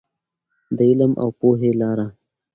د علم او پوهې لاره.